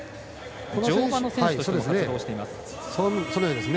乗馬の選手として活動しています。